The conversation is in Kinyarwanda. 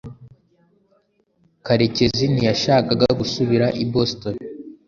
Karekezi ntiyashakaga gusubira i Boston.